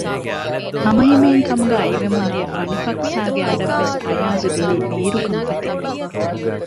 ހަމަހިމޭން ކަމުގައި އިވެމުން ދިޔަ ފަނުފަކްސާގެ އަޑަށްވެސް އަޔަާޒު ދިނީ ބީރު ކަންފަތެއް